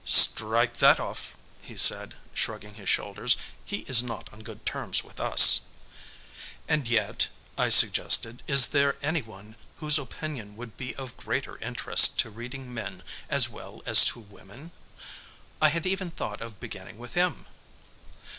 "Strike that off," he said, shrugging his shoulders. "He is not on good terms with us." "And yet," I suggested, "is there any one whose opinion would be of greater interest to reading men as well as to women? I had even thought of beginning with him."